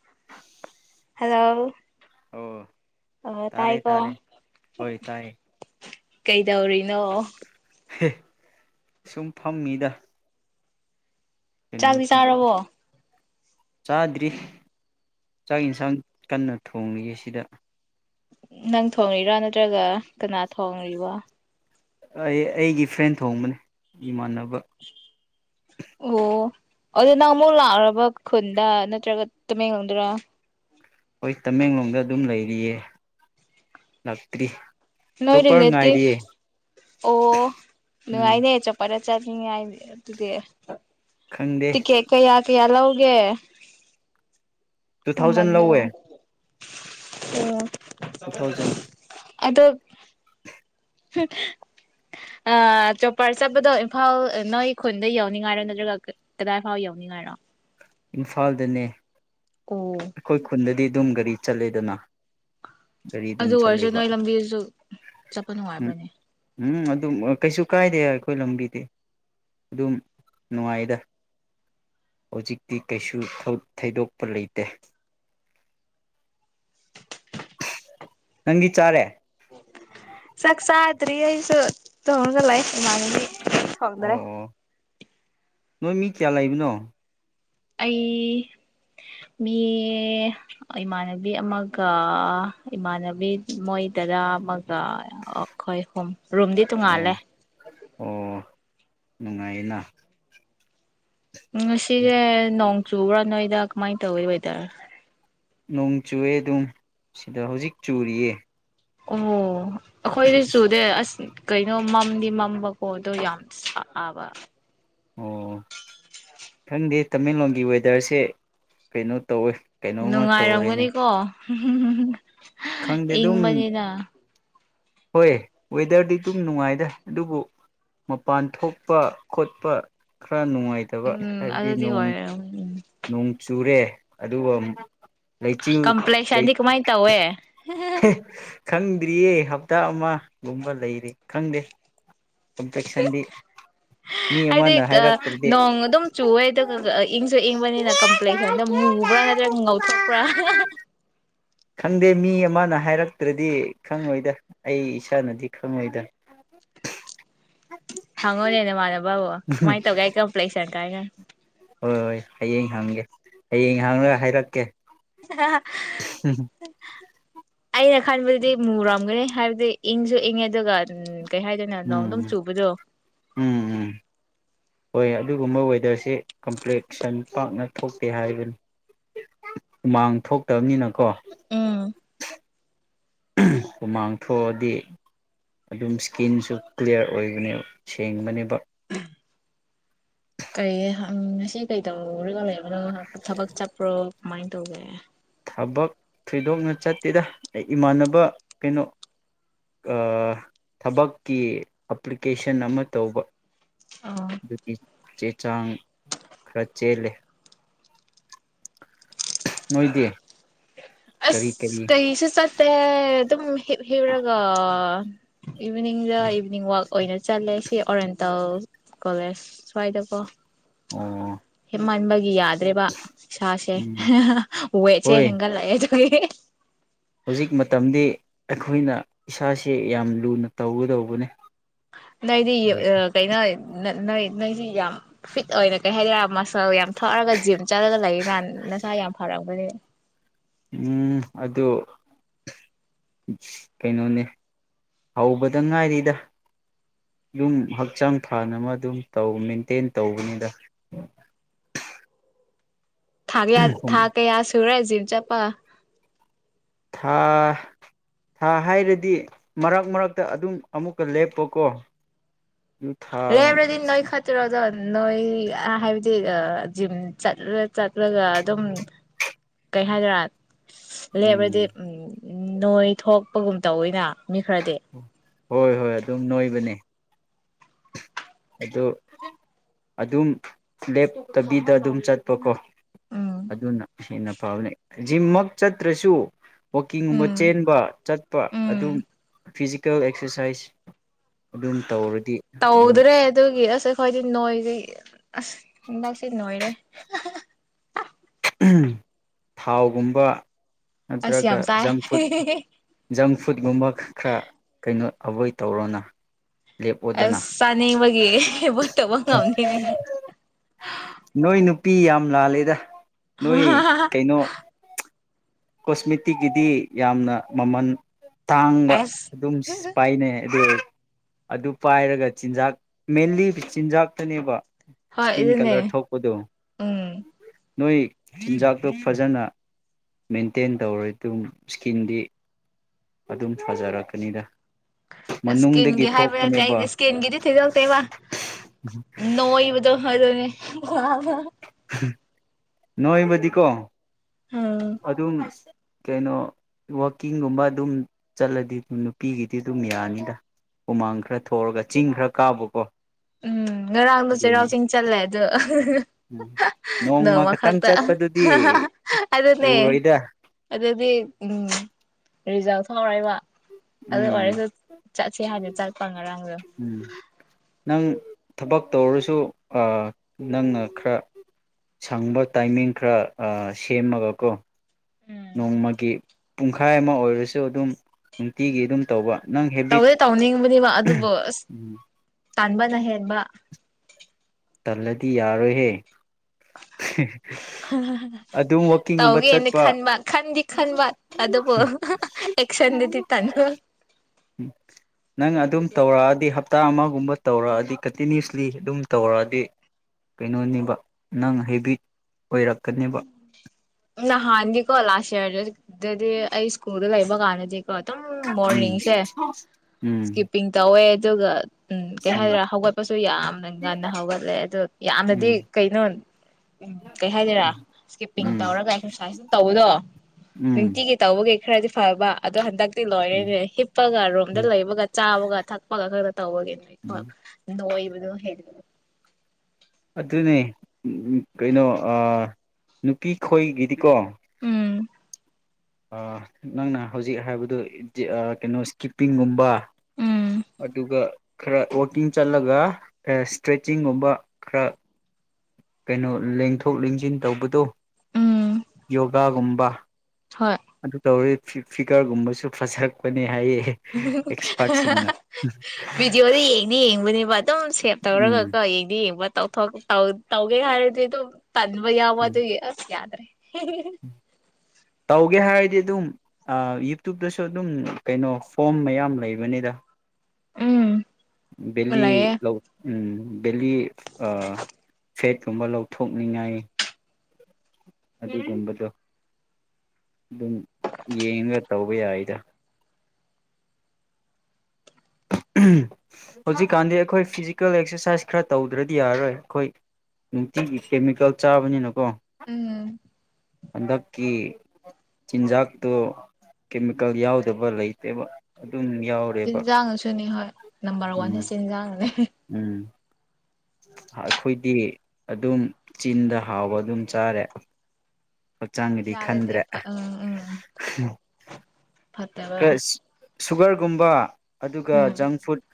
[unintelligible] Hello ꯑꯣ ꯑ ꯇꯥꯔꯦ ꯇꯥꯔꯦ ꯇꯥꯏꯀꯣ ꯍꯣꯏ ꯇꯥꯔꯦ ꯀꯩꯗꯧꯔꯤꯅꯣ ꯁꯨꯝ ꯐꯝꯃꯤꯗ ꯀꯩꯅꯣ ꯆꯥꯛꯗꯤ ꯆꯥꯔꯕꯣ ꯆꯥꯗ꯭ꯔꯤ ꯆ ꯏꯟꯁꯥꯡ ꯀꯅ ꯊꯣꯡꯂꯤꯉꯦꯁꯤꯗ ꯅꯪ ꯊꯣꯡꯉꯔꯥ ꯅꯠꯇ꯭ꯔꯒ ꯀꯅꯥ ꯊꯣꯡꯔꯤꯕ ꯑꯩ ꯑꯩꯒꯤ ꯐ꯭ꯔꯦꯟ ꯊꯣꯡꯕꯅꯦ ꯏꯃꯥꯟꯅꯕ ꯑꯣ ꯑꯗꯨꯗ ꯅꯪ ꯑꯃꯨꯛ ꯂꯥꯛꯔꯕ ꯈꯨꯟꯗ ꯅꯠꯇ꯭ꯔꯒ ꯇꯨꯃꯦꯡꯡꯂꯧꯗꯔꯥ ꯍꯣꯏ ꯇꯃꯦꯡꯂꯣꯡꯗ ꯑꯗꯨꯝ ꯂꯩꯔꯤꯌꯦ ꯂꯥꯛꯇ꯭ꯔꯤ ꯅꯣꯏ ꯆꯣꯞꯄꯔ ꯔꯤꯂꯦꯇꯤꯚ ꯉꯥꯏꯔꯤꯌꯦ ꯑꯣ ꯎꯝ ꯅꯅꯨꯡꯉꯥꯏꯅꯦ ꯆꯄꯔꯦ ꯆꯠꯅꯤꯡꯉ ꯑꯗꯨꯗꯤ ꯈꯪꯗꯦ ꯇ ꯀꯦ ꯀꯩ ꯌꯥ ꯌꯥꯂꯥꯎꯒꯦ ꯇꯨ ꯊꯥꯎꯖꯟ ꯂꯧꯋꯦ ꯑꯣ ꯇꯨ ꯊꯥꯎꯖꯟ ꯑꯗꯣ [unintelligible] ꯆꯣꯄꯥꯔ ꯆꯠꯄꯗꯣ ꯏꯝꯐꯥꯜ ꯅꯣꯏ ꯈꯨꯟꯗ ꯌꯧꯅꯤꯡꯉꯥꯏꯔꯣ ꯅꯠꯇ꯭ꯔꯒ ꯀꯗꯥꯏ ꯐꯥꯎ ꯌꯧꯅꯤꯡꯉꯥꯏꯔꯣ ꯏꯝꯐꯥꯜꯗꯅꯦ ꯑꯣ ꯑꯩꯈ‌ꯣꯏ ꯈꯨꯟꯗꯗꯤ ꯑꯗꯨꯝ ꯒꯥꯔꯤ ꯆꯠꯂꯦꯗꯅ ꯒꯥꯔꯤ ꯑꯗꯨꯝ ꯑꯗꯨ ꯑꯣꯏꯔꯁꯨ ꯆꯠꯂꯦꯕ ꯅꯣꯏ ꯂꯝꯕꯤꯗꯨꯁꯨ ꯆꯠꯄ ꯎꯝ ꯅꯨꯡꯉꯥꯏꯕꯅꯦ ꯎꯝ ꯑꯗꯨꯝ ꯀꯩꯁꯨ ꯀꯥꯏꯗꯦ ꯑꯩꯈꯣꯏ ꯂꯝꯕꯤꯗꯤ ꯑꯗꯨꯝ ꯅꯨꯡꯉꯥꯏꯗ ꯍꯧꯖꯤꯛ ꯇꯤ ꯀꯩꯁꯨ ꯊꯩꯗꯣꯛꯄ ꯂꯩꯇꯦ ꯅꯪꯒꯤ ꯆꯥꯔꯦ ꯆꯥꯛ ꯆꯥꯗꯔꯤ ꯑꯩꯁꯨ ꯇꯣꯡꯉꯒ ꯂꯩ ꯏꯃꯥꯟꯅꯕꯤ ꯑꯣ ꯊꯣꯡꯗ꯭ꯔꯦ ꯑꯣ ꯅꯣꯏ ꯃꯤ ꯀꯌꯥ ꯂꯩꯕꯅꯣ ꯑꯩ ꯃꯤ ꯏꯃꯥꯟꯅꯕꯤ ꯑꯃꯒ ꯏꯃꯥꯟꯅꯕꯤ ꯃꯣꯏ ꯗꯥꯗꯥ ꯑꯃꯒ ꯑꯩꯈꯣꯏ ꯑꯍꯨꯝ ꯔꯨꯝꯗꯤ ꯇꯣꯡꯉꯥꯜꯂꯦ ꯅꯨꯡꯉꯥꯏꯅ ꯎꯝ ꯉꯁꯤꯁꯦ ꯅꯣꯡ ꯆꯨꯕꯔ ꯅꯣꯏꯗ ꯀꯃꯥꯥꯏ ꯇꯧꯏ ꯋ‌ꯦꯗꯔ ꯅꯣꯡ ꯆꯨꯑꯦ ꯑꯗꯨꯝ ꯁꯤꯗ ꯍꯧꯖꯤꯛ ꯆꯨꯔꯤꯌꯦ ꯑꯣ ꯑꯩꯈꯣꯏꯗꯤ ꯑꯁ ꯆꯨꯗꯦ ꯑꯁ ꯀꯩꯅꯣ ꯃꯝꯗꯤ ꯃꯝꯕꯀꯣ ꯑꯗ‌ꯣ ꯌꯥꯝ ꯁꯥꯕ ꯑꯣ ꯈꯪꯗꯦ ꯇꯃꯦꯡꯂꯣꯡꯒꯤ ꯋꯦꯗꯔꯁꯦ ꯀꯩꯅꯣ ꯇꯧꯋꯦ ꯀꯩꯅꯣꯝꯃ ꯇꯧꯔꯦꯅꯦ ꯅꯨꯡꯉꯥꯏꯔꯝꯒꯅꯤꯀꯣ ꯎꯝ ꯈꯪꯗꯦ ꯏꯪ ꯑꯗꯨꯝ ꯕꯅꯤꯗ ꯍꯣꯏ ꯋꯦꯗꯔꯗꯤ ꯑꯗꯨꯝ ꯅꯨꯡꯉꯥꯏꯗ ꯑꯗꯨꯕꯨ ꯃꯄꯥꯟ ꯊꯣꯛꯄ ꯈꯣꯠꯄ ꯈꯔ ꯅꯨꯡꯉꯥꯏꯇꯕ ꯎꯝ ꯍꯥꯏꯕꯗꯤ ꯑꯗꯨꯗꯤ ꯅꯣꯡ ꯑꯣꯏꯔꯝ ꯎꯝ ꯅꯣꯡ ꯆꯨꯔꯦ ꯑꯗꯨꯒ ꯃꯨꯛ ꯀꯝꯄ꯭ꯂꯦꯛꯁ ꯑꯅꯤ ꯀꯃꯥꯏ ꯇꯧꯋꯦ ꯈꯪꯗ꯭ꯔꯤꯌꯦ ꯍꯞꯇꯥ ꯑꯃ ꯂꯨꯝꯕ ꯂꯩꯔꯤ ꯈꯪꯗꯦ ꯀꯝꯄ꯭ꯂꯦꯛꯁꯟꯗꯤ ꯃꯤ ꯍꯥꯏꯗꯤ ꯑꯃꯅ ꯍꯥꯏꯔꯛꯇ꯭ꯔꯗꯤ ꯅꯣꯡ ꯑꯗꯨꯝ ꯆꯨꯋꯦ ꯑꯗꯨꯒ ꯏꯪꯁꯨ ꯌꯦꯡꯕꯅꯤꯅ ꯀꯝꯄ꯭ꯂꯦꯛꯁꯟꯗꯣ ꯃꯨꯕ꯭ꯔꯥ ꯅꯠꯇ꯭ꯔꯒ ꯉꯧꯊꯣꯛꯄ꯭ꯔꯥ ꯈꯪꯗꯦ ꯃꯤ ꯑꯃꯅ ꯍꯥꯏꯔꯛꯇ꯭ꯔꯗꯤ ꯈꯪꯉꯣꯏꯗ ꯑꯩ ꯏꯁꯥꯅꯗꯤ ꯈꯪꯉꯣꯏꯗ ꯍꯪꯉꯣꯅꯦ ꯅꯃꯥꯟꯅꯕ ꯍꯪꯉ‌ꯣ ꯀꯃꯥꯏꯅ ꯇꯧꯒꯦ ꯑꯩ ꯀꯝꯄ꯭ꯂ‌ꯦꯛꯁꯟ ꯥꯏꯒ ꯍ ꯑꯩꯌꯦ ꯍꯒꯦ ꯍꯌꯦꯡ ꯍꯥꯡꯅꯒ ꯍꯥꯏꯔꯛꯀꯦ ꯑ ꯈꯟꯕꯗꯗꯤ ꯃꯨꯔꯝꯒꯅꯤ ꯍꯥꯏꯕꯗꯤ ꯏꯪꯁꯨ ꯏꯪꯉꯦ ꯑꯗꯨꯒ ꯀꯩ ꯍꯥꯏꯗꯅ ꯅꯣꯡ ꯑꯗꯨꯝ ꯎꯝ ꯆꯨꯕꯗꯣ ꯎꯝ ꯎꯝ ꯍꯣꯏ ꯑꯗꯨꯒꯨꯝꯕ ꯋꯦꯗꯔꯁꯦ ꯀꯝꯄ꯭ꯂꯦꯛꯁꯟ ꯄꯥꯛꯅ ꯊꯣꯛꯇꯦ ꯍꯥꯏꯕꯅꯤ ꯎꯃꯥꯡ ꯊꯣꯛꯇꯕꯅꯤꯅ ꯀꯣ ꯎꯝ ꯍꯨꯃꯥꯡꯊꯣꯛꯑꯗꯤ ꯑꯗꯨꯝ ꯏꯁꯀꯤꯔꯤꯟꯁꯨ ꯀ꯭ꯂꯤꯌꯥꯔ ꯑꯣꯏꯕꯅꯦꯕ ꯁꯦꯡꯕꯅꯦꯕ ꯀꯔꯤꯪ ꯉꯁꯤ ꯀꯩ ꯇꯧꯔꯒ ꯂꯩꯕ ꯑꯣ ꯊꯕꯛ ꯆꯠꯄ꯭ꯔꯣ ꯃꯥꯏꯗꯧꯒ ꯊꯕꯛ ꯊꯣꯏꯗꯣꯛꯅ ꯆꯠꯇꯦꯗ ꯑꯩ ꯏꯃꯥꯟꯅꯕ ꯀꯩꯅꯣ ꯊꯕꯛꯀꯤ ꯑꯦꯄ꯭ꯂꯤꯀꯦꯁꯟ ꯑꯃ ꯇꯧꯕ ꯑꯣ ꯑꯗꯨꯄꯤ ꯆꯦ ꯆꯥꯡ ꯈꯔ ꯆꯦꯜꯂꯦ ꯃꯣꯏꯗꯤꯌꯦ ꯑꯁ ꯀꯩꯁꯤꯦ ꯆꯠ ꯑꯦ ꯑꯗꯨꯝ ꯍ꯭ꯔꯒ ꯎ ꯏꯚꯅꯤꯡꯗ ꯏꯚꯅꯤꯡ ꯋꯥꯋꯥꯛ ꯑꯣꯏꯅ ꯆꯠꯂꯦ ꯁꯤ ꯑꯣꯔꯦꯟꯇꯜ ꯀꯣꯂꯦꯖ ꯁ꯭ꯋꯥꯏꯗꯀꯣ ꯑꯣ ꯍꯦꯃꯕ ꯌꯥ ꯑꯗꯨꯦꯕ ꯁꯥꯥꯁꯦ ꯎꯝ ꯍꯨꯋꯦ ꯆꯦ ꯍꯣꯏ ꯍꯂ ꯀꯩꯦ ꯍꯧꯖꯤꯛ ꯃꯇꯝꯗꯤ ꯑꯩꯈꯣꯏꯅ ꯏꯁꯥꯥꯁ ꯌꯥꯝ ꯂꯨꯅ ꯇꯧꯒꯗꯧꯕꯅꯤ ꯅ ꯏꯗꯤ ꯀꯩꯅꯩꯅ ꯅꯣꯏ ꯅꯣꯏꯁꯤ ꯌꯥꯝ ꯐꯤꯠ ꯑꯣꯏꯅ ꯀꯩ ꯍꯥꯏꯔꯛ ꯃꯥ ꯐꯧ ꯌꯥꯝ ꯊꯛꯑꯒ ꯖꯤꯝ ꯆꯠꯂꯒ ꯂꯩ ꯅꯍꯥꯟ ꯅꯁꯥ ꯌꯥꯝ ꯐꯔꯝꯒꯅꯤ ꯎꯝ ꯑꯗꯨ ꯀꯩꯅꯣꯅꯦ ꯍꯧꯕꯗ ꯉꯥꯏꯔꯤꯗ ꯑꯗꯨꯝ ꯍꯛꯆꯥꯡ ꯐꯥꯅꯕ ꯑꯗꯨꯝ ꯇꯧ ꯃꯦꯟꯇꯦꯟ ꯇꯧꯕꯅꯤꯗ ꯊꯥꯒꯦ ꯊꯒꯦ ꯌꯥꯁ ꯊꯨꯔꯥꯏꯁꯤ ꯆꯄ ꯊꯥ ꯊꯥ ꯍꯥꯏꯔꯗꯤ ꯃꯔꯛ ꯃꯔꯛꯇ ꯑꯗꯨꯝ ꯑꯃꯨꯛꯀ ꯂꯦꯞꯄꯀꯣ ꯂꯩ ꯌꯥꯝ ꯅꯣꯏ ꯈꯇꯔꯗ ꯅꯣꯏ ꯍꯥꯏꯕꯗꯤ ꯖꯤꯝ ꯆꯠꯂ ꯆꯠꯂꯒ ꯑꯗꯨꯝ ꯀꯩ ꯍꯥꯏꯗꯣꯏꯔꯥ ꯂꯩꯕꯔꯗꯤ ꯎꯝ ꯎ ꯅꯣꯏ ꯊꯣꯛꯄꯒꯨꯝ ꯇꯧꯋꯏꯅ ꯃꯤ ꯈꯔꯗꯤ ꯍꯣꯏ ꯍꯣꯏ ꯑꯗꯨꯝ ꯅꯣꯏꯕꯅꯦ ꯑꯗꯣ ꯑꯗꯨꯝ ꯂꯦꯞꯇꯕꯤꯗ ꯑꯗꯨꯝ ꯆꯠꯄꯀꯣ ꯎꯝ ꯑꯗꯨꯅ ꯍꯟꯅ ꯄꯥꯥꯎꯅꯦ ꯖꯤꯝꯃꯛ ꯆꯠꯇ꯭ꯔꯁꯨ ꯋꯥꯛꯀꯤꯡꯒꯨꯝꯕ ꯎꯝ ꯆꯦꯟꯕ ꯆꯠꯄ ꯑꯗꯨꯝ ꯎꯝ ꯐꯤꯖꯤꯀꯦꯜ ꯑꯦꯛꯁꯔꯁꯥꯏꯁ ꯑꯗꯨꯝ ꯇꯧꯔꯗꯤ ꯑꯗꯨꯝ ꯇꯧꯗ꯭ꯔꯦ ꯑꯗꯨꯒꯤ ꯑꯁ ꯑꯩꯈꯣꯏꯗꯤ ꯅꯣꯏꯁꯦ ꯑꯁ ꯍ ꯂꯥꯛꯁꯤ ꯅꯣꯏꯔꯦ ꯊꯥꯎꯒꯨꯝꯕ ꯑꯁ ꯅꯠꯇ꯭ꯔꯒ ꯌꯥꯝ ꯆꯥꯏ ꯖꯪ ꯐꯨꯗ ꯖꯪ ꯐꯨꯗꯀꯨꯝꯕ ꯈꯔ ꯀꯩꯅꯣ ꯑꯕꯣꯏ ꯇꯧꯔꯅ ꯑꯁ ꯆꯥꯅꯤꯡꯕꯒꯤꯅꯦ ꯄꯣꯠꯇꯧꯕ ꯉꯝꯅꯤꯅꯦ ꯄꯤ ꯌꯥꯝ ꯂꯥꯜꯂꯦꯗ ꯅꯣꯏ ꯀꯩꯅꯣ ꯀꯣꯁꯃꯦꯇꯤꯛꯀꯤꯗꯤ ꯌꯥꯝꯅ ꯃꯃꯜ ꯇꯥꯡꯕ ꯑꯁ ꯑꯗꯨꯝ ꯄꯥꯏꯅꯩ ꯑꯗꯨ ꯑꯗꯨ ꯄꯥꯏꯔꯒ ꯆꯤꯟꯖꯥꯛ ꯃꯦꯟꯂꯤ ꯆꯤꯟꯖꯥꯛꯇꯅꯦꯕ ꯍ ꯏꯁꯀꯤꯟ ꯏꯅꯦ ꯀꯂꯔ ꯊꯣꯛꯄꯗꯣ ꯎꯝ ꯅꯣꯏ ꯆꯤꯟꯖꯥꯛꯇꯨ ꯐꯖꯅ ꯃꯦꯟꯇꯦꯟ ꯇꯧꯔ ꯑꯗꯨꯝ ꯏꯁꯀꯤꯟꯗꯤ ꯑꯗꯨꯝ ꯐꯖꯔꯛꯀꯅꯤꯗ ꯃꯅꯨꯡꯗꯒꯤ ꯏꯁꯀꯤꯟꯒꯤ ꯍꯥꯏꯕ ꯅꯠꯇꯦ ꯊꯣꯛꯄꯅꯦꯕ ꯑꯩꯗꯤ ꯏꯁꯀꯤꯟꯒꯤꯗꯤ ꯊꯣꯏꯗꯣꯛꯇꯦꯕ ꯅꯣꯏꯕꯗꯣ ꯑꯗꯨꯅꯦ ꯋꯥ ꯅꯣꯣꯏꯃꯗꯤꯀꯣ ꯎꯝ ꯑꯗꯨꯗꯅ ꯀꯩꯅꯣ ꯋꯥꯛꯀꯤꯡꯒꯨꯝꯕ ꯑꯗꯨꯝ ꯆꯠꯂꯗꯤ ꯅꯨꯄꯤꯒꯤꯗꯤ ꯑꯗꯨꯝ ꯌꯥꯅꯤꯗ ꯍꯨꯃꯥꯡ ꯈꯔ ꯊꯣꯛꯑꯒ ꯆꯤꯡ ꯈꯔ ꯀꯥꯕꯀꯣ ꯎꯝ ꯉꯔꯥꯡꯗꯣ ꯆꯩꯔꯥꯎ ꯑꯗꯨꯅ ꯆꯤꯡ ꯆꯜꯂꯦ ꯑꯗꯣ ꯎꯝ ꯅꯣꯡꯃ ꯈꯛꯇꯪ ꯈꯛꯇ ꯆꯠꯄꯗꯨꯗꯤ ꯑꯗꯨꯗꯅꯦ ꯎꯔꯣꯏꯗ ꯑꯗꯨꯗꯅꯦꯦ ꯎꯝ ꯔꯤꯖꯜꯠ ꯐꯥꯎꯔꯏꯕ ꯑꯗ ꯎꯝ ꯋꯥꯔꯁ ꯆꯁꯤ ꯍꯥꯏꯅꯤ ꯐꯉꯔ ꯎꯝ ꯅꯪ ꯊꯕꯛ ꯇꯧꯔꯁꯨ ꯅꯪꯅ ꯈꯔ ꯁꯪꯕ ꯇꯥꯏꯃꯤꯡ ꯈꯔ ꯁꯦꯝꯃꯒꯀꯣ ꯎꯝ ꯅꯣꯡꯃꯒꯤ ꯄꯨꯡꯈꯥꯏ ꯑꯃ ꯑꯣꯏꯔꯁꯨ ꯑꯗꯨꯝ ꯅꯨꯡꯇꯤꯒꯤ ꯑꯗꯨꯝ ꯇꯧꯕ ꯅꯪ ꯍꯦꯕꯤꯠ ꯇꯧꯗꯦ ꯇꯧꯅꯤꯡꯕꯅꯦꯕ ꯑꯗꯨꯕꯨ ꯑꯁ ꯇꯥꯟꯕꯅ ꯍꯦꯟꯕ ꯇꯜꯂꯗꯤ ꯌꯥꯔꯣꯏꯍꯦ ꯑꯗꯨꯝ ꯋꯥꯛꯀꯤꯡꯒꯨꯝꯕ ꯇꯧꯒꯦꯅ ꯆꯠꯄ ꯈꯟꯕ ꯈꯟꯗꯤ ꯈꯟꯕ ꯑꯗꯨꯕꯨ ꯑꯦꯛꯁꯟꯗꯨꯗꯤ ꯇꯟꯕ ꯅꯪ ꯑꯗꯨꯝ ꯇꯧꯔꯛꯑꯗꯤ ꯍꯞꯇꯥ ꯑꯃꯒꯨꯝꯕ ꯇꯧꯔꯛꯑꯗꯤ ꯀꯟꯇꯤꯅ꯭ꯌꯨꯁꯂꯤ ꯑꯗꯨꯝ ꯇꯧꯔꯛꯑꯗꯤ ꯗꯤ ꯀꯩꯅꯣꯅꯤꯕ ꯅꯪ ꯍꯥꯏꯩꯕꯤ ꯅꯍꯗꯤ ꯀꯂꯁ ꯍꯥꯏ ꯏꯗꯗꯤ ꯑꯩ ꯁꯀꯨꯜ ꯀꯩꯃ ꯀꯥꯟꯅꯗꯤ ꯑꯐꯇꯔꯅꯨꯟ ꯎꯝ ꯃꯣꯔꯅꯤꯡꯁꯦ ꯎꯝ ꯏꯁꯀꯤꯞꯄꯤꯡ ꯇꯧꯋꯦ꯫ ꯑꯗꯨꯒ꯫ ꯎꯝ ꯀꯩꯍꯥꯏꯗꯣꯏꯔꯥ ꯍꯧꯒꯠꯄꯁꯨ ꯌꯥꯝꯅ ꯉꯟꯅ ꯍꯧꯒꯠꯂꯦ ꯑꯗꯨ ꯌꯥꯝꯅꯗꯤ ꯎꯝ ꯀꯩꯅꯣ ꯎꯝ ꯀꯩ ꯍꯥꯏꯗꯣꯏꯔꯥ꯫ ꯎꯝ ꯏꯁꯀꯤꯞꯄꯤꯡ ꯎꯝ ꯇꯧꯔꯒ ꯑꯦꯛꯁꯔꯁꯥꯏꯁ ꯑꯗꯨꯝ ꯇꯧꯕꯗꯣ ꯎꯝ ꯅꯨꯡꯇꯤꯒꯤ ꯇꯧꯕꯒꯤ꯫ ꯈꯔꯗꯤ ꯐꯕ ꯑꯗꯣ ꯍꯟꯗꯛ꯫ ꯍꯧꯖꯤꯛꯇꯤ ꯎꯝ ꯂꯣꯏꯔꯦꯅꯦ ꯍꯤꯞꯄꯒ ꯔꯣꯝꯗ ꯎꯝ ꯂꯩꯕꯒ ꯆꯥꯕꯒ ꯊꯛꯄꯒ ꯈꯛꯇ ꯇꯧꯕꯒꯤ ꯅꯣꯏ ꯎꯝ ꯅꯣꯏꯕꯗꯣ ꯍꯩꯒꯠ꯫ ꯑꯗꯨꯅꯦ ꯀꯩꯅꯣ ꯅꯨꯄꯤ ꯈꯣꯏꯒꯤꯗꯤꯀꯣ꯫ ꯎꯝ꯫ ꯑ ꯅꯪꯅ ꯍꯧꯖꯤꯛ ꯍꯥꯏꯕꯗꯨ ꯀꯩꯅꯣ ꯏꯁꯀꯤꯞꯄꯤꯡꯒꯨꯝꯕ꯫ ꯎꯝ ꯑꯗꯨꯒ꯫ ꯈꯔ ꯋꯀꯤꯡ ꯆꯠꯂꯒ ꯈꯔ ꯏꯁꯇ꯭ꯔꯦꯠꯆꯤꯡꯒꯨꯝꯕ ꯈꯔ ꯀꯩꯅꯣ ꯂꯦꯡꯊꯣꯛ ꯂꯦꯡꯁꯤꯟ ꯇꯧꯕꯗꯣ꯫ ꯎꯝ ꯌꯣꯒꯥꯒꯨꯝꯕ꯫ ꯍꯣꯏ ꯑꯗꯨ ꯇꯧꯋꯦ ꯫ ꯐꯤꯒꯔꯒꯨꯝꯕꯁꯨ ꯐꯖꯔꯛꯄꯅꯦ꯫ ꯍꯥꯏꯌꯦ ꯑꯦꯛꯁꯄꯥꯔꯠꯁꯤꯡꯅ ꯕꯤꯗꯤꯑꯣꯗ ꯌꯦꯅꯤ-ꯌꯦꯡꯕꯅꯦꯕ꯫ ꯑꯗꯨꯝ ꯁꯦꯞ ꯎꯝ ꯇꯧꯔꯒꯀꯣ ꯌꯦꯡꯗꯤ-ꯌꯦꯡꯕ꯫ ꯇꯧꯊꯣꯛ ꯇꯧꯒꯦ ꯍꯥꯏꯔꯗꯤ ꯑꯗꯨꯝ꯫ ꯇꯟꯕ ꯌꯥꯎꯕ ꯎꯝ ꯑꯗꯨꯒꯤ ꯌꯥꯗꯔꯦ꯫ ꯍꯦ ꯍꯦ ꯫ ꯇꯧꯒꯦ ꯍꯥꯏꯔꯗꯤ ꯑꯗꯨꯝ ꯌꯨꯇ꯭ꯨꯕꯇꯁꯨ ꯑꯗꯨꯝ ꯀꯩꯅꯣ ꯐꯣꯝ ꯃꯌꯥꯝ ꯂꯩꯕꯅꯤꯗ꯫ ꯎꯝ꯫ ꯕꯦꯂꯤ ꯂꯩꯌꯦ ꯂꯧ꯫ ꯎꯝ ꯕꯦꯂꯤ ꯐꯦꯠ ꯀꯨꯝꯕ ꯂꯧꯊꯣꯛꯅꯤꯡꯉꯥꯏ ꯑꯗꯨꯒꯨꯝꯕꯗꯣ ꯑꯗꯨꯝ ꯌꯦꯡꯉꯒ ꯇꯧꯕ ꯌꯥꯏꯗ꯫ ꯍꯧꯖꯤꯛꯀꯥꯟꯗꯤ ꯑꯩꯈꯣꯏ ꯐꯤꯖꯤꯀꯦꯜ ꯑꯦꯛꯁꯔꯁꯥꯏꯁ ꯈꯔ ꯇꯧꯗ꯭ꯔꯗꯤ ꯌꯥꯔꯔꯣꯏ ꯑꯩꯈꯣꯏ ꯅꯨꯡꯇꯤꯒꯤ ꯀꯦꯃꯤꯀꯦꯜ ꯆꯥꯕꯅꯤꯅꯀꯣ꯫ ꯎꯝ꯫ ꯍꯟꯗꯛꯀꯤ ꯆꯤꯟꯖꯥꯛꯇꯨ ꯀꯦꯃꯤꯀꯦꯜ ꯌꯥꯎꯗꯕ ꯂꯩꯇꯦꯕ꯫ ꯑꯗꯨꯝ ꯌꯥꯎꯔꯦꯕ ꯆꯤꯟꯖꯥꯛꯅꯁꯨꯅꯤ ꯍꯣꯏ꯫ ꯅꯝꯕꯔ ꯋꯥꯟꯗ ꯎꯝ ꯆꯤꯟꯖꯥꯛꯅꯅꯦ ꯫ ꯎꯝ ꯑꯩꯈꯣꯏꯗꯤ꯫ ꯑꯗꯨꯝ ꯆꯤꯟꯗ ꯍꯥꯎꯕ ꯑꯗꯨꯝ ꯆꯥꯔꯦ꯫ ꯍꯛꯆꯥꯡꯒꯤꯗꯤ ꯈꯟꯗ꯭ꯔꯦ꯫ ꯏꯁꯥꯗꯗꯤ ꯎꯝ ꯎꯝ ꯐꯠꯇ°ꯕ꯫ ꯈꯔ ꯁꯨꯒꯔꯒꯨꯝꯕ꯫ ꯑꯗꯨꯒ ꯎꯝ ꯖꯪ ꯐꯨꯗ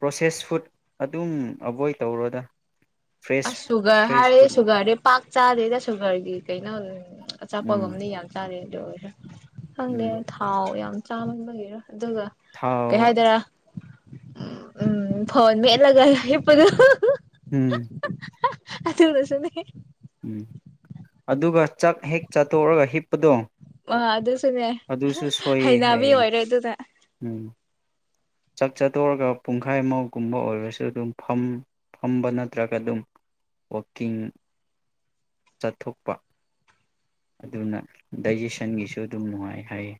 ꯄ꯭ꯔꯣꯁꯦꯁ ꯐꯨꯗ ꯑꯗꯨꯝ ꯑꯦꯕꯣꯏꯠ ꯇꯧꯔꯗ ꯑ ꯁꯨꯒꯔ ꯍꯥꯏꯔꯦ ꯁꯨꯒꯔꯦ ꯄꯥꯛ ꯆꯥꯗꯦ ꯆꯁꯨꯒꯔꯒꯤ ꯀꯩꯅꯜ ꯎꯝ ꯑꯆꯥꯄꯒꯨꯝꯅꯤ ꯌꯥꯝ ꯆꯥꯔꯦ ꯔ ꯈꯪꯗꯦ ꯎꯝ ꯊꯥꯎ ꯌꯥꯝ ꯆꯥꯃꯟꯕꯥꯒꯦꯔꯥ ꯑꯗꯨꯒ ꯀꯩ ꯊꯥꯎ ꯍꯥꯏꯗꯔ ꯎꯝ ꯐꯣꯟ ꯃꯦꯠꯂꯒ ꯑꯩ ꯄꯨꯗ ꯎꯝ ꯑꯥꯗꯨꯒꯥꯁꯨ ꯅꯦ ꯎꯝ ꯑꯗꯨꯒ ꯆꯥꯛ ꯍꯦꯛ ꯆꯥꯊꯣꯛꯑꯒ ꯍꯤꯞꯄꯗꯣ ꯑ ꯑꯗꯨꯁꯨꯅꯦ ꯑꯗꯨꯁꯨ ꯁꯣꯏꯌꯦ ꯍꯩꯅꯕꯤ ꯍꯥꯏꯌꯦ ꯑꯣꯏꯔꯦ ꯑꯗꯨꯅꯦ ꯎꯝ ꯆꯥꯛ ꯆꯠꯇꯣꯔꯒ ꯄꯨꯡꯈꯥꯏꯃꯧꯒꯨꯝꯕ ꯑꯣꯏꯔꯁꯨ ꯑꯗꯨꯝ ꯐ ꯐꯝꯕ ꯅꯠꯇ꯭ꯔꯒ ꯑꯗꯨꯝ ꯋꯥꯛꯀꯤꯡ ꯆꯠꯊꯣꯛꯄ ꯑꯗꯨꯅ ꯗꯥꯏꯖꯦꯁꯟꯒꯤꯁꯨ ꯑꯗꯨꯝ ꯅꯨꯡꯉꯥꯏ ꯍꯥꯏꯌꯦ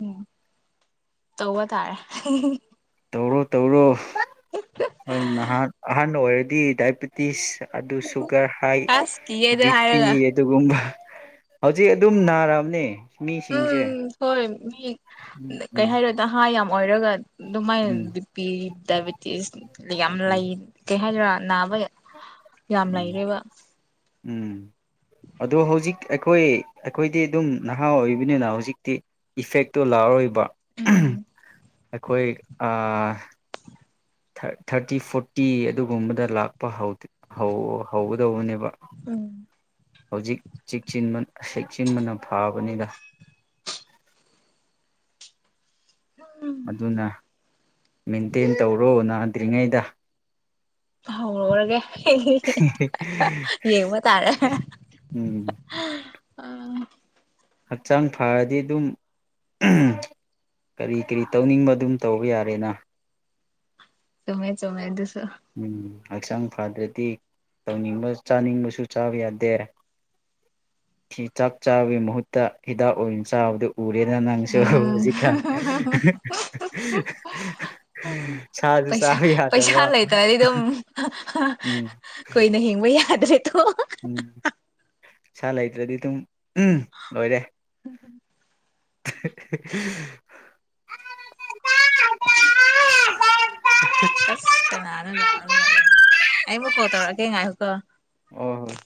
ꯎꯝ ꯇꯧꯕ ꯇꯥꯔꯦ ꯇꯧꯔꯣ ꯇꯧꯔꯣ ꯍ ꯍꯥꯟꯅ ꯑꯣꯏ ꯍꯥꯏꯗꯤ ꯗꯥꯏꯕꯤꯇꯤꯁ ꯑꯗꯨ ꯁꯨꯒꯔ ꯍꯥꯏ ꯑꯁ ꯀꯤꯌꯦꯗ ꯕꯤ ꯄꯤ ꯍꯥꯏꯔꯒ ꯑꯗꯨꯒꯨꯝꯕ ꯍꯧꯖꯤꯛ ꯑꯗꯨꯝ ꯅꯥꯔꯑꯕꯅꯦ ꯎꯝ ꯍꯣꯏ ꯃꯤ ꯎꯝ ꯀꯩ ꯎꯝ ꯍꯥꯏꯔꯣꯗ ꯍꯥꯥ ꯌꯥꯝ ꯃꯣꯏꯔꯣꯒꯥ ꯑꯗꯨꯃꯥꯏ ꯎꯝ ꯕꯤꯄꯤ ꯗꯥꯏꯕꯤꯦꯇꯤꯁ ꯌꯥꯝꯂ ꯎꯝ ꯏꯦ ꯍꯥꯏꯗꯔꯥꯠ ꯅꯥꯕ ꯌꯥꯝ ꯎꯝ ꯂꯩꯔꯦꯕ ꯎꯝ ꯑꯗꯣ ꯍꯧꯖꯤꯛ ꯑꯩꯈꯣꯏ ꯑꯩꯈꯣꯏꯗꯤ ꯑꯗꯨꯝ ꯅꯍꯥ ꯑꯣꯏꯔꯤꯕꯅꯤꯅ ꯍꯧꯖꯤꯛꯇꯤ ꯏꯐꯦꯛꯇꯣ ꯂꯥꯛꯑꯣꯏꯕ ꯎꯝ ꯑꯩꯈꯣꯏ ꯊꯥꯔꯇꯤ ꯐꯣꯔꯇꯤ ꯑꯗꯨꯒꯨꯝꯕꯗ ꯂꯥꯛꯄ ꯍꯧꯒꯗꯧꯕꯅꯦꯕ ꯎꯝ ꯍꯧꯖꯤꯛ ꯆꯦꯛꯁꯤꯟꯕꯅ ꯐꯥꯕꯅꯤꯗ ꯑꯗꯨꯅ ꯃꯦꯟꯇꯦꯟ ꯇꯧꯔꯣꯅ ꯍꯪꯗ꯭ꯔꯤꯉꯩꯗ ꯍꯧꯔꯔꯒꯦ ꯌꯦꯡꯕ ꯇꯥꯔꯦ ꯎꯝ ꯑꯥ ꯍꯛꯆꯥꯡ ꯐꯔꯗꯤ ꯑꯗꯨꯝ ꯀꯔꯤ ꯀꯔꯤ ꯇꯧꯅꯤꯡꯕ ꯑꯗꯨꯝ ꯇꯧꯕ ꯌꯥꯔꯦꯅ ꯆꯃꯦ ꯆꯃꯦ ꯑꯗꯨ ꯎꯝ ꯍꯛꯆꯥꯡ ꯐꯗ꯭ꯔꯗꯤ ꯇꯧꯅꯤꯡꯕ ꯆꯥꯅꯤꯡꯕꯁꯨ ꯆꯥꯕ ꯌꯥꯗꯦ ꯆꯥꯛ ꯆꯥꯕꯒꯤ ꯃꯍꯨꯠꯇ ꯍꯤꯗꯥꯛ ꯑꯣꯏꯅ ꯆꯥꯕꯗꯨ ꯎꯔꯦꯗ ꯅꯪꯁꯨ ꯎꯝ ꯍꯧꯖꯤꯛꯀ ꯁꯥꯁꯨ ꯄꯩꯁꯥ ꯆꯥꯕ ꯄꯩꯁꯥ ꯌꯥꯗꯕ ꯂꯩꯇ꯭ꯔꯗꯤ ꯑꯗꯨꯝ ꯎꯝ ꯀꯨꯏꯅ ꯍꯤꯡꯕ ꯌꯥꯗ꯭ꯔꯦ ꯇꯣ ꯎꯝ ꯏꯁꯥ ꯂꯩꯇ꯭ꯔꯗꯤ ꯑꯗꯨꯝ ꯂꯣꯏꯔꯦ [unintelligible] ꯏꯅ ꯉꯅꯥꯅꯔꯤ ꯑꯩꯃꯨ ꯀꯣꯧ ꯇꯧꯔ ꯀꯩꯉꯥꯏꯌ ꯀꯣ ꯑ ꯍꯣꯏ